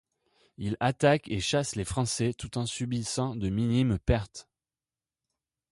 Il attaque et chasse les Français tout en subissant de minimes pertes.